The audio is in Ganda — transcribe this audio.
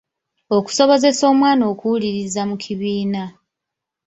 Okusobozesa omwana okuwuliriza mu kibiina.